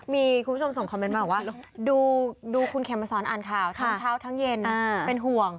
มีคุณผู้ชมส่งคอมเมนต์มาบอกว่าดูคุณเข็มมาสอนอ่านข่าวทั้งเช้าทั้งเย็นเป็นห่วง